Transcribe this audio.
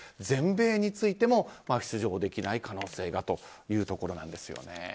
全米についても出場できない可能性がというところですよね。